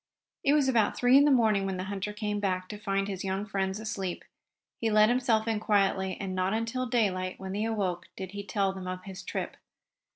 It was about three in the morning when the hunter came back, to find his young friends asleep. He let himself in quietly, and not until daylight, when they awoke, did he tell them of his trip.